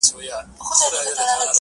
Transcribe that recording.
خدای دي نه کړي مفکوره مي سي غلامه,